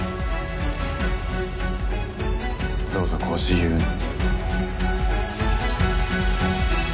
どうぞご自由に。